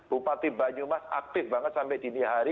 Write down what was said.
bupati banyumas aktif banget sampai dini hari